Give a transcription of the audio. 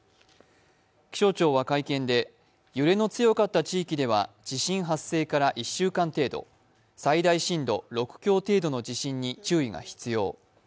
気象庁は会見で、揺れの強かった地域では地震発生から１週間程度最大震度６強程度の地震に注意が必要。